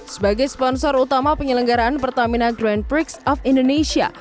sebagai sponsor utama penyelenggaraan pertamina grand prix of indonesia